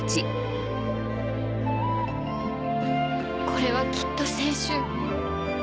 これはきっと青春